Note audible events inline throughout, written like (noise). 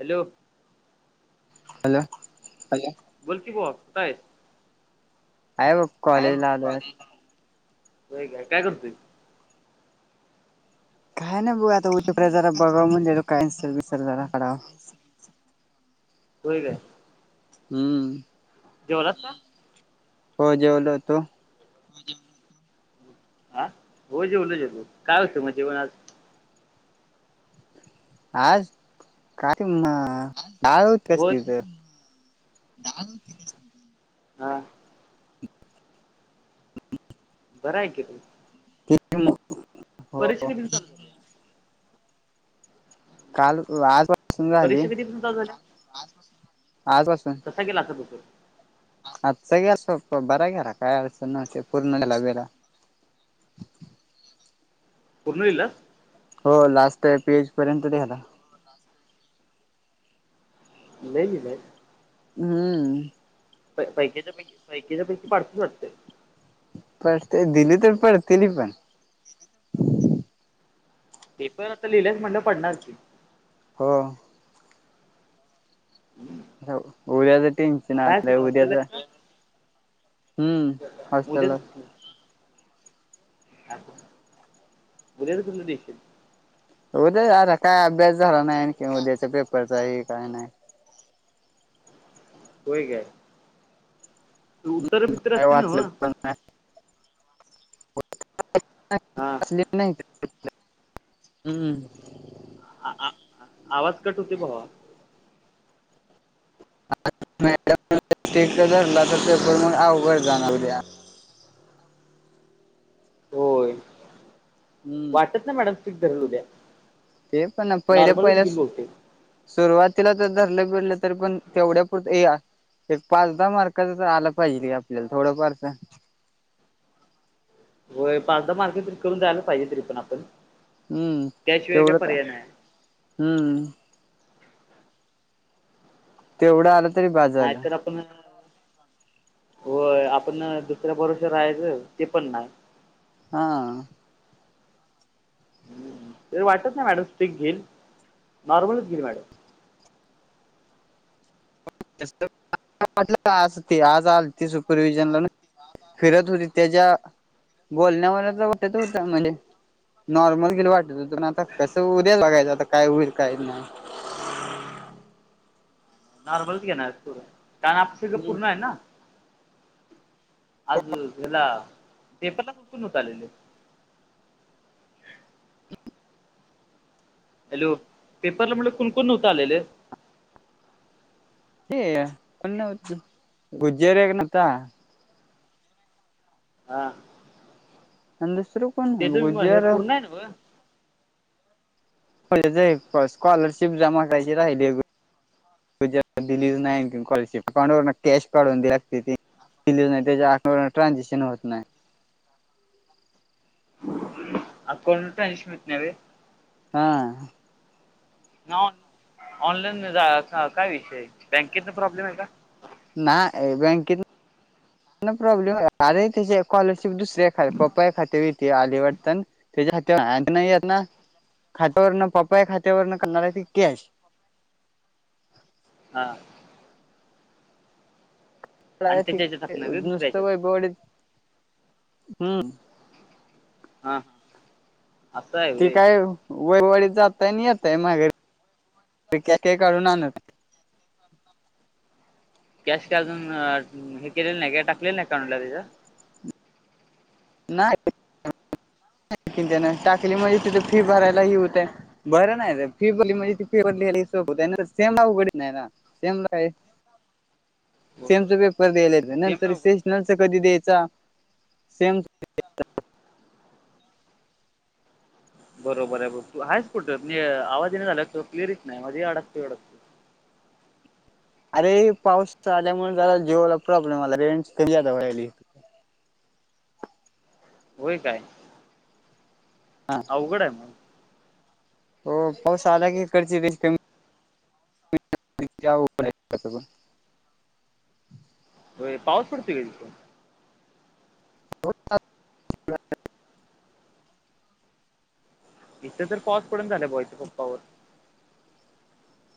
Hello hello hello बोलकी भावा कुठ आहे आहे वो आहे म कॉलेज ला व्हय का काय करतोय काय नाही भो आता उकडे (unintelligible) जरा बघाव म्हणलो (unintelligible) काहीसर विसर जराकडा (unintelligible) होय का हम्म. जेवलात का. हो जेवलो तू हा हो जेवलो जेवलो काय होत मग जेवण आज? आज काय म डाळ होती हो कसली तर (unintelligible) हा बरंय की (inaudible) ते मग. (unintelligible) परिस्थिती ब (unintelligible) काल आज परीक्षा कधी पासून चालू झाल्या आजपासून पाच वाजतान कसं गेला आजचा पेपर? आजचा गेला सोपा बरा गेला काय अडचण नव्हती पूर्ण लेहलाबिला पूर्ण लिहिला हो लास्ट पी एच पर्यंत नेला. मोबाईल लिहलास अम्म. काय पैकीच्यापैकी पैकीच्या पैकी पडतोस वाटतो. फस्ट टाइम्स दिली तर पाहिजे तिन्ही पण. पेपर आता लिहिलाईस म्हणल्यावर पडणारच की. हो. हो उद्याच टेन्शन आता आहेस कुठं आलं हॉस्टेलला उद्याच. आहेस का? हम्म उद्याच असतलच. उद्याचा तून देशील. उद्या अर काय अभ्यास झाला नाय कि उद्याच्या पेपरचाये काय नाय. होय काय. उत्तर बितर काय असतील वाचलं नव्ह. पण हा (inaudible) हम्म आ आ आवाज कट होतय भावा. (unintelligible) पेपर म अवघड जाणार उद्या. होय. वाटत नाही मॅडम स्ट्रिक्ट धरल हूं उद्या ते पण पहिलं नॉर्मलच घेईल पहिलंस बहुतेक सुरुवातीला तर धरलं बिरलं तरी पण तेवढ्या पुरत ये आ एक पाच दहा मार्कां च आला पाहिजे की आपल्याला थोडंफारतर. व्हय पाच दहा मार्कचं तरी करुन जायला पाहिजे तरी पण आपण. हम्म त्याशिवाय काय तेवढंत पर्याय नाही हम्म. तेवढं आला तरी बास झालं. नाहीतर आपण होय आपण दुसऱ्या पोराचं राहायचं ते पण नाय. हा. पण वाटत नाय मॅडम स्टीक घेईल नॉर्मलच घेईल वाट. आज टी आज आलती सूपर व्हिजनला न ह्याज्यात होती त्याच्या बोलण्यावर तर वाटत होता म्हणजे नॉर्मल गेलं वाटत होत पण आता कसं होऊद्याच बघायचं आता काय होईल काय नाय. नॉर्मल घेणारचं पुढे कारण अक्षय चं पूर्ण आहे ना? आज याला पेपरला कोण कोण नव्हतं आलेल. हॅलो पेपरला म्हणे कोण कोण नव्हतं आलेलं. हे कोण नव्हतं गुज्जर एक नव्हता हा. अनं दुसर कोण नाय गुजर काय नव्ह. (unintelligible) स्कॉलरशिप जमा करायची राहिलीये बघ. तुझ्या दिली नाय आणि कॉलशिप कोणावर नक्की कॅश काढून दयावी लागते ती दिली नाय त्याच्या अकाउंटला ट्रान्झेक्शन होत नाय. अकाउंटला ट्रानझेकशन होत नाय व्हय. हा. नाय होणार ऑनलाईन हेजा काय काय विषय बँकेचा प्रॉब्लेम आहे का? नाय बँकेत प्रॉब्लेम आहे अरे तिझ्यात स्कॉलरशिप दुसऱ्या एक हाय पप्पा खात्यात येती आली वाटतन. त्याच्या खात्या नाय येते ना खात्यावरन पप्पाच्या खात्यावरन करणार आहे की कॅश. हां आणि (unintelligible) त्याच्या ह्याच्यात टाकणार का दुसऱ्या नुसत ह्याच्यात वैभव वाडीत हम्म. हा. असं आहे ती वे काय वयवळीत जातय आणि येतय मागे तेकाय काढून आणत. कॅश का अजून हे केलेलं नाही काय टाकलेलं नाय काय अकाउंटला तिझ्या. नाय त्यान टाकली म्हणजे तिज फी भरायला हे होतय. बरं नाही फिबली म्हणजे ती फिबलीली शो होत आहे सेमला उघडी नाही ना सेमला आहे. सेमच पेपर द्यायला सेम नंतर अवघड आहे. सेशनचा कधी द्यायचा सेम बरोबर आहे ब तु हयच कुट मंजे आवाज येईना झालाय क्लीयर येत नाही माझ अडकत वाडत अरे पाऊस आल्यामुळे जरा जिओला प्रॉब्लेम आला रेंज कमी जादा व्हालय होय काय हा अवघड आहे मग हो पाऊस आला की इकडची रेंज कमी (unintelligible) होय पावस पडतय का तिथ (inaudible) इथे तर पाऊस पडून झालाय बाबा पंपावर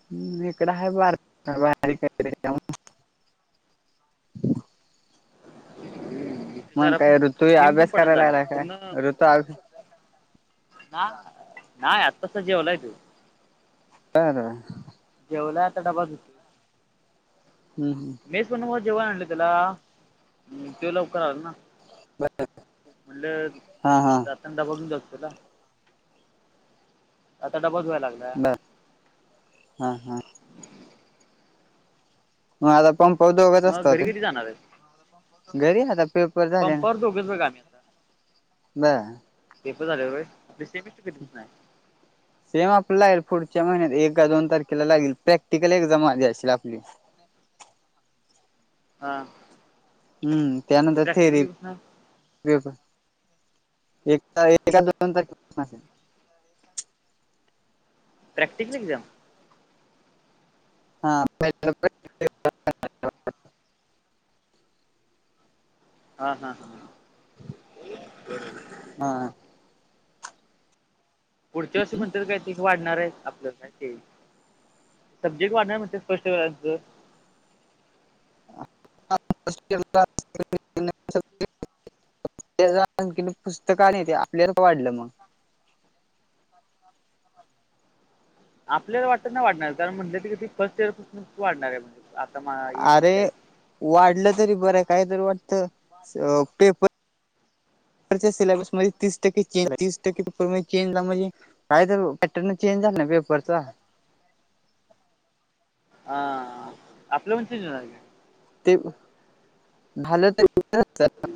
हु इकड हाय बारका (unintelligible) इथ मग जरा काय ऋतू थेंब थेंब अभ्यास पडन करायला झालाय लागला (unintelligible) पुढन काय ऋतू हा नाही आत्तास जेवलाय त्यो (unintelligible) जेवलाय आता डबा धुतोय हम् हम मेच पण मग जेव्हा आणलं त्याला तेव लवकर आलं ना बर म्हटल हा हा जाताना डबा देऊन जातो तुला आता डबा धुवाय लागलाय बर हा हा मग आता पंपावर दोघंच मग असतात घरी कधी जाणार आहे होय घरी आता पेपर झाले ना पंपावर दोघेच बघ आम्ही आता बर पेपर झालेत व्हय मग सेमीस्टी कधी पसुन आय सेम आपलं लागेल पुढच्या महिन्यात एकका दोन तारखेला लागेल प्रॅक्टिकल एक्झाम आधीअसशील आपली हा हम्म त्यानंतर थेरी एक काय (unintelligible) दोन तारखेल (unintelligible) प्रॅक्टिकल एग्जाम हा (unintelligible) हा हा हा हा पुढच्या वर्षी पण तेच काय ते वाढणाराय आपलं काय ते सब्जेक्ट वाढणार म्हण त्यात स्पष्ट करायच (unintelligible) (unintelligible) पुस्तक नाही ते आपल्याार का वाढलं मग आपल्याला वाटत नाही वाढणार कारण म्हटलं त की फर्स्ट इयरपासून वाढणार आहे म्हणजे आता अरे (unintelligible) वाढलं तरी बरंय कायतरी वाटत स पेपर (inaudible) च्या सिलेबस मध्ये तीस टक्के चेंज तीस टक्के पेपर मध्ये चेंजला म्हणजे काय तर पॅटरन चेंज झालं ना पेपरचा हा, आपल्या म्हणचेच ते झालं तर देत्याना.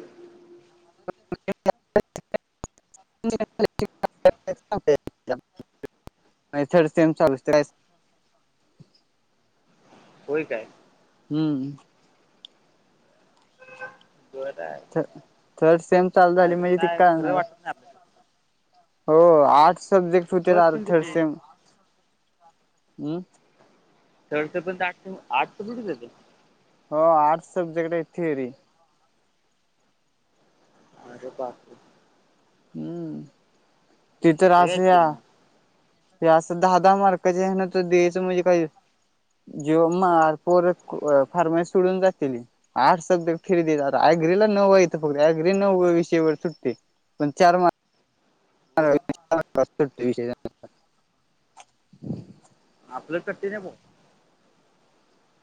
(inaudible) (inaudible) (inaudible) नाही थर्ड सेम चालूचत आहे स. होय काय हम्म बराय थ थर्ड सेम चालू झाली म्हणजे ती काय कळणा खरं राय वाटत नाही आपल्याला हो आर्ट सब्जेक्ट होते फर्स्ट अरे टीम थर्ड कुठली सेम अम्म. चडच पण आर्टच, आर्टच कूड देते. हो, आर्टस सबजेक्ट एक थएरीय. अर बापरे. अम्म ते रर लय आहेत की असया. रे मग ते अस, दहा दहा मार्काचे हाना, ते द्यायचं म्हणजे काही जेव मार, पोर फार्माशी सोडून जातेली. आर्टस सब्जेक्ट फिरी दे, आता ऑग्रला नऊ येतं फक्त ऑग्री नऊ विषयवर सुटते. पण चार हो मारक सुटतो विषय त्यांचा. आपलं कठीणे बो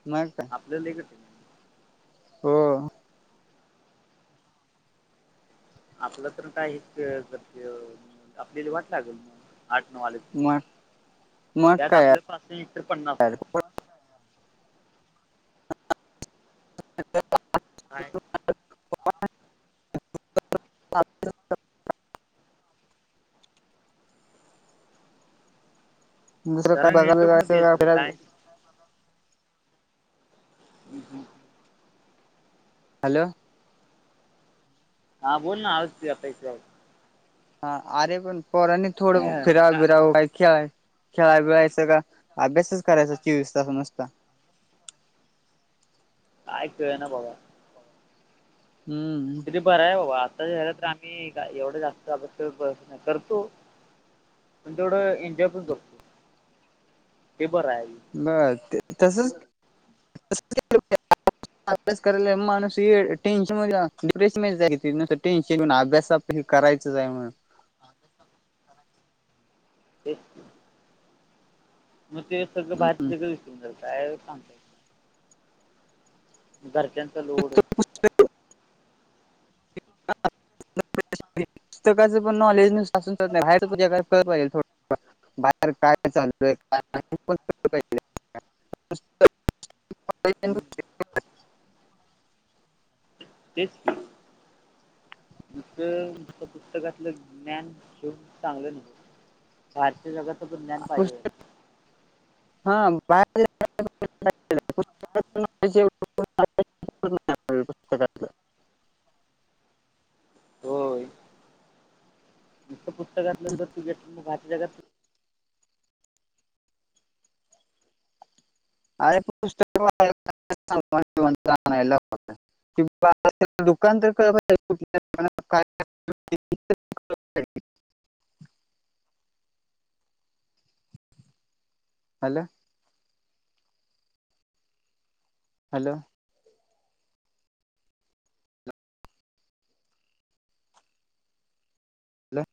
मग. काय ललेग हो. आपलं पण काय? आपल्याला वाट लागेल म. आठ नऊ आलेत, मग मग त्यात काय आपल्या पाच इतर पन्नास ला. हॅो (inaudible) ह (inaudible) दुसरं काय जरा बघायला जायच, नेटवर्कमध्ये ये सर फीरा काय (inaudible) हॅलो. हा बोल ना, आवाज येतो हा, अरे पण पोरानी थोड फिराव का- बिराव, काय खे खेळाय बिळायच का? अभ्यासच करायचा चोवीस तास नूसता. काय कळना बाबा. हम्म. ते बरंय बाबा, आता च्यायला तर आम्ही एवढं जास्त अभ्यास करत नाय, करतो. पण तेवढं एन्जॉय पण करतो, ते बरंय आनी. बर ते तसच तसच केल पाहिजे. अभ्यास कराला माणूस हे टेनशन मधे डप्रेशन मधी जाईल, टेनशन घेऊन अभ्यासात हे करायचंच आहे म्हण. राज ते (unintelligible) म ते सगळं, बाहेरच सगळं विसरून जात, काय सांगत. घरच्यानचा लोड. ह (inaudible) पुस्तकाच पण नॉलेज नुस्त असुन चालत नाही, बाहेरच्या पण जगात (inaudible) च पाहिजे थोडं बाहेर काय चाललय काय नाही हे पण कळल पाहिजे. हम (unintelligible) (inaudible) तेच. नुस्त पुस्तकातलं ज्ञान घेऊन, चांगलं नाही. बाहेर च्या जगाचं पण ज्ञान पाहिजे. ह, बाहेरच्या जगात (unintelligible) पुस्तकातील नॉलेज ऐवढ पुस्तकातल. होय. नुस्त, पुस्तकातलं जर तू घेतल बाकी जगात अरे पुस्तक (unintelligible) (unintelligible) (unintelligible) हॅलो. हॅलो. हॅला.